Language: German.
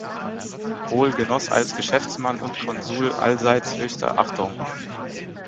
Hohl genoss als Geschäftsmann und Konsul allseits höchste Achtung.